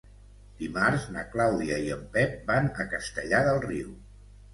Dimarts na Clàudia i en Pep van a Castellar del Riu.